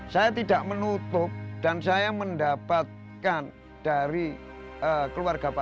saya tidak menutup dan saya mendapatkan keinginan yang baik untuk membuat kompetisi